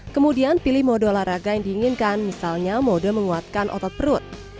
kemudian pilih mode olahraga yang diinginkan misalnya mode menguatkan otot perut